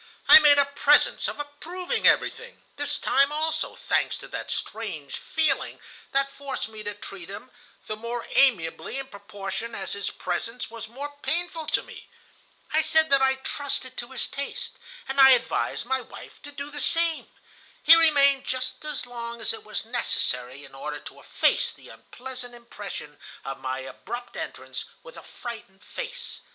I made a presence of approving everything, this time also, thanks to that strange feeling that forced me to treat him the more amiably in proportion as his presence was more painful to me. I said that I trusted to his taste, and I advised my wife to do the same. He remained just as long as it was necessary in order to efface the unpleasant impression of my abrupt entrance with a frightened face.